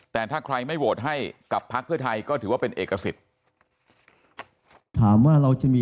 แต่ถ้าใครไม่โหวตให้กับภักร์เพื่อไทยก็ถือว่าเป็นเอกสิทธิ์